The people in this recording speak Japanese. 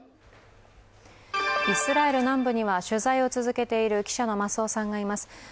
イスラエル南部には取材を続けている記者の増尾さんがいます。